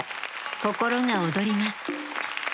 心が躍ります。